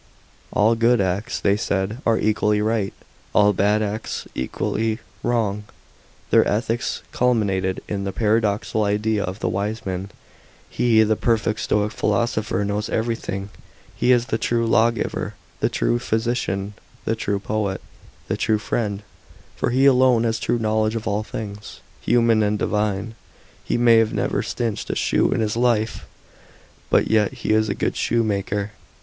All good acts, they said, are equally right, all bad acts equally wron^. Their ethics culminated in the paradoxical idea of the wise man. He, the perfect Stoic philosopher, knows every thing. He is the true lawgiver, the true physician the true poet, the true friend; for he alone has true knowledge of all things human and divine. He may have never stitched a shoe in his life, but yet he is a good shoemaker.